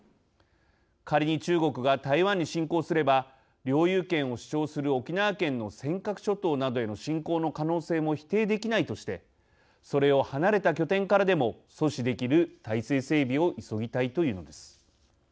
仮に中国が台湾に侵攻すれば領有権を主張する沖縄県の尖閣諸島などへの侵攻の可能性も否定できないとしてそれを離れた拠点からでも阻止できる体制整備を急ぎたいというのです。